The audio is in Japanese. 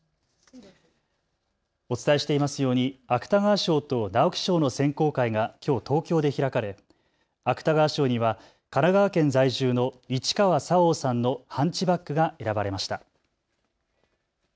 お伝えしていますように芥川賞と直木賞の選考会がきょう東京で開かれ芥川賞には神奈川県在住の市川沙央さんのハンチバックが選ばれました。